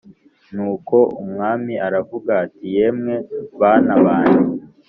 Nuko umwami aravuga ati yemwe bana banjye